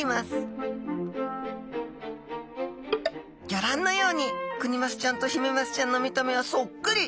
ギョ覧のようにクニマスちゃんとヒメマスちゃんの見た目はそっくり！